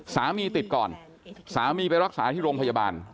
ติดก่อนสามีไปรักษาที่โรงพยาบาล